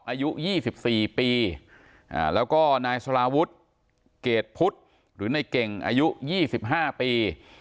อายุ๒๔ปีแล้วก็นายสลาวุฒิเกรดพุทธหรือในเก่งอายุ๒๕ปี